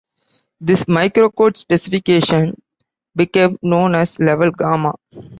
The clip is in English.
This microcode specification became known as level Gamma.